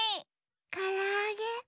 からあげ。